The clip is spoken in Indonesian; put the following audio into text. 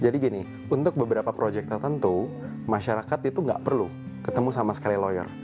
jadi gini untuk beberapa projek tertentu masyarakat itu tidak perlu ketemu sama sekali lawyer